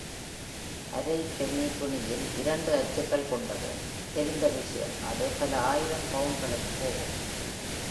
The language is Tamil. அரை பென்னி துணியில் இரண்டு அச்சுகள் கொண்டது தெரிந்த விஷயம், அது பல ஆயிரம் பவுண்ட்களுக்குப் போகும்.